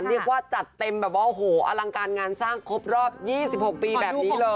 เรียกว่าจัดเต็มแบบว่าโอ้โหอลังการงานสร้างครบรอบ๒๖ปีแบบนี้เลย